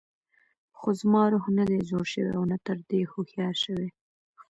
خو زما روح نه دی زوړ شوی او نه تر دې هوښیار شوی.